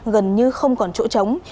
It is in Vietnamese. gần như không còn chỗ trống